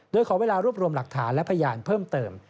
โดยขอเวลารวบรวมหลักฐานและพยานเพิ่มเติม